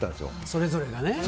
それぞれがね。